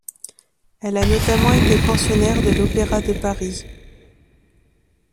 Elle a notamment été pensionnaire de l'Opéra de Paris.